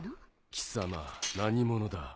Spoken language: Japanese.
貴様何者だ？